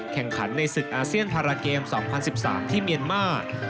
แข่งขันในศึกอาเซียนพาราเกม๒๐๑๓ที่เมียนมาร์